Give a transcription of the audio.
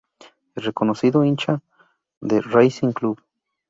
Reconocido hincha de Racing Club.